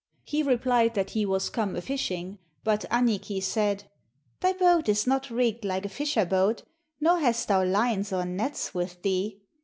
He replied that he was come a fishing, but Annikki said: 'Thy boat is not rigged like a fisher boat, nor hast thou lines or nets with thee.